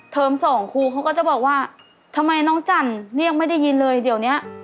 สองครูเขาก็จะบอกว่าทำไมน้องจันเรียกไม่ได้ยินเลยเดี๋ยวเนี้ย